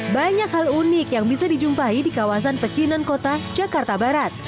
banyak hal unik yang bisa dijumpai di kawasan pecinan kota jakarta barat